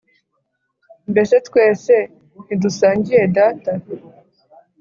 “Mbese twese ntidusangiye data?